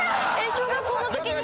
小学校のときに。